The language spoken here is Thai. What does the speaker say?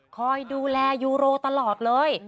คอยดูแลยูโรตลอดเลย